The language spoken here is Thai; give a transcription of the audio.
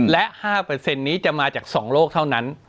และ๕นี้จะมาจาก๒โลกเท่านั้น